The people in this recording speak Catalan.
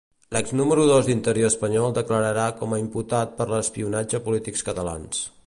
L'ex-número dos d'Interior espanyol declararà com a imputat per l'espionatge a polítics catalans.